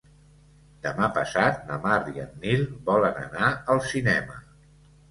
Demà passat na Mar i en Nil volen anar al cinema.